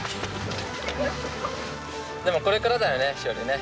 でもこれからだよね、志織ね。